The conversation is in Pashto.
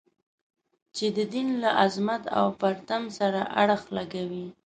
چې د دین له عظمت او پرتم سره اړخ لګوي.